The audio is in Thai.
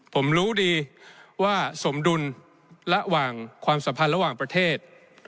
ผมรู้ดีว่าสมดุลระหว่างความสัมพันธ์ระหว่างประเทศ